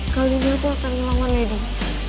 kali ini aku akan melawan lady